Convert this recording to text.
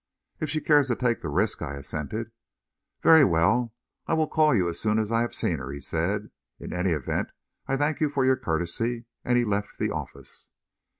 "If she cares to take the risk," I assented. "Very well; I will call you as soon as I have seen her," he said. "In any event, I thank you for your courtesy," and he left the office.